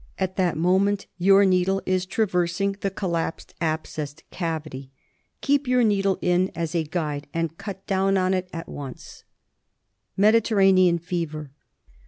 At that moment your needle is traversing the collapsed abscess cavity. Keep your needle in as a guide, and cut down on it at once. N 194 TREATMENT OF Mediterranean Fever.